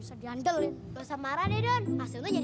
enggak bisa diandel ya